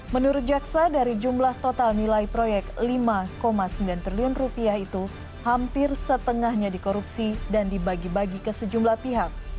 menurut jaksa dari jumlah total nilai proyek lima sembilan triliun rupiah itu hampir setengahnya dikorupsi dan dibagi bagi ke sejumlah pihak